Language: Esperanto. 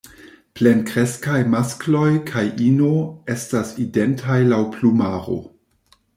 Plenkreskaj maskloj kaj ino estas identaj laŭ plumaro.